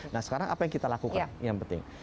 nah sekarang apa yang kita lakukan yang penting